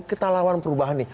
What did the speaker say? kita lawan perubahan ini